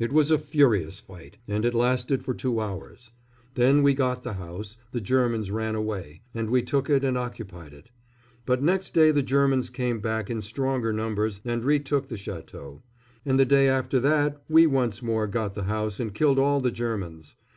It was a furious fight, and it lasted for two hours. Then we got the house the Germans ran away, and we took it and occupied it. But next day the Germans came back in stronger numbers and retook the château; and the day after that we once more got the house and killed all the Germans.